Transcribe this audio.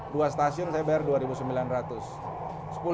dua stasiun saya bayar rp dua sembilan ratus